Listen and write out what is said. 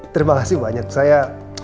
terima kasih banyak saya